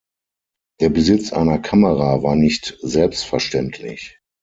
Der Besitz einer Kamera war nicht selbstverständlich.